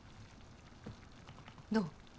どう？